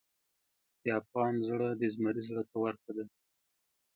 د افغان زړه د زمري زړه ته ورته دی.